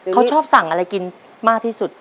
เขาชอบสั่งอะไรกินมากที่สุด